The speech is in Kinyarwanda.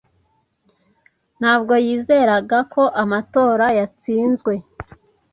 Ntabwo yizeraga ko amatora yatsinzwe.